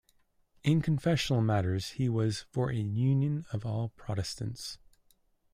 In confessional matters he was for a union of all Protestants.